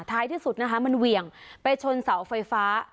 ท้ายที่สุดนะคะมันเหวี่ยงไปชนเสาไฟฟ้า